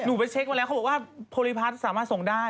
หนูไปเช็ควันแล้วเค้าบอกว่าโพลิพัทสามารถส่งได้